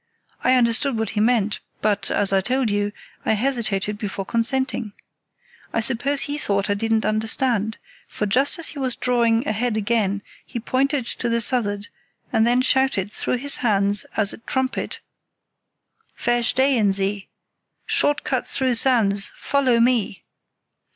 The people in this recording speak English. I understood what he meant, but, as I told you, I hesitated before consenting. I suppose he thought I didn't understand, for just as he was drawing ahead again he pointed to the suth'ard, and then shouted through his hands as a trumpet 'Verstehen Sie? short cut through sands: follow me!